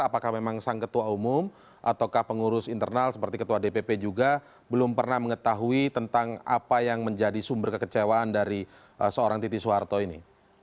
apakah memang sang ketua umum atau pengurus internal seperti ketua dpp juga belum pernah mengetahui tentang apa yang menjadi sumber kekecewaan dari seorang titi soeharto ini